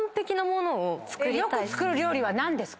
よく作る料理は何ですか？